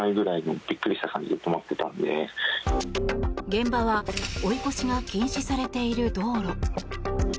現場は、追い越しが禁止されている道路。